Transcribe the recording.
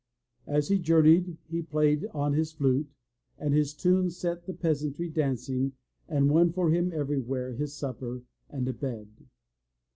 As he journeyed he played on his flute and his tunes set the peasantry dancing and won for him everywhere his supper and a bed.